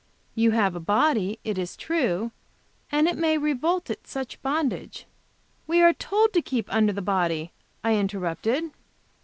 You have a body, it is true, and it may revolt at such bondage " "We are told to keep under the body," I interrupted.